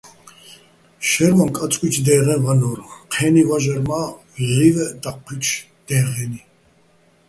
შაჲრვაჼ კაწკუჲჩო̆ დე́ღეჼ ვანო́რ, ჴე́ნი ვაჟარ მა́ ვჵივეჸ დაჴჴუ́ჲჩო̆ დე́ღენი.